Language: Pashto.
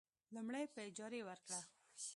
لومړی: په اجارې ورکړه.